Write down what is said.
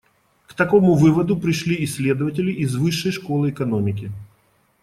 К такому выводу пришли исследователи из Высшей школы экономики.